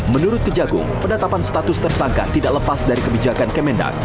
menurut kejagung penetapan status tersangka tidak lepas dari kebijakan kemendak